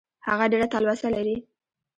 هغه ډېره تلوسه لري .